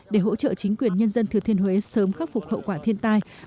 để hỗ trợ chính quyền nhân dân thừa thiên huế sớm khắc phục hậu quả thiên tai